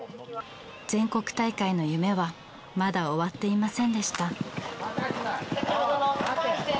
全国大会の夢はまだ終わっていませんでした。